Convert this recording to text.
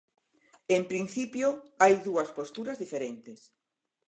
En principio, hai dúas posturas diferentes.